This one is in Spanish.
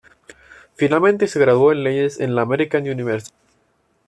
Finalmente se graduó en leyes en la American University.